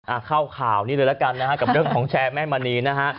เข้าข่าวนี้เลยละกันนะฮะกับเรื่องของแชร์แม่มณีนะฮะ